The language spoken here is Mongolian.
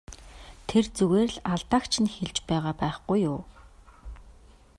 Тэр зүгээр л алдааг чинь хэлж байгаа байхгүй юу!